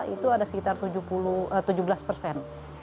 itu ada sekitar tujuh belas persen